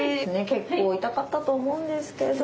結構痛かったと思うんですけど。